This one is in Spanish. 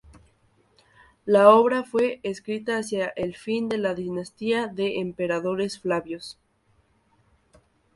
La obra fue escrita hacia el fin de la dinastía de emperadores Flavios.